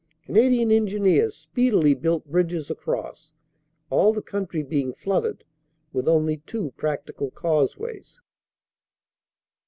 Canadian Engi neers speedily built bridges across, all the country being flooded, with only two practical causeways.